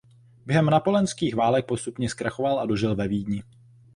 Během napoleonských válek postupně zkrachoval a dožil ve Vídni.